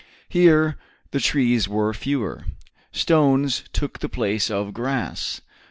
Here the trees were fewer. Stones took the place of grass.